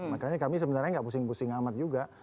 makanya kami sebenarnya nggak pusing pusing amat juga